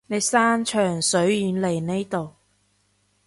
你山長水遠嚟呢度